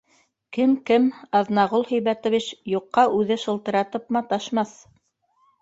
Кем-кем, Аҙнағол Һибәтович юҡҡа үҙе шылтыратып маташмаҫ